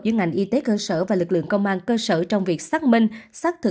giữa ngành y tế cơ sở và lực lượng công an cơ sở trong việc xác minh